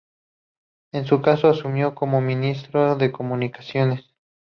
En su caso asumió como Ministro de Comunicaciones.